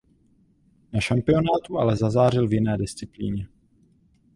Na šampionátu ale zazářil v jiné disciplíně.